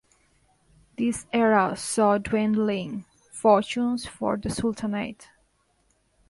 This era saw dwindling fortunes for the Sultanate.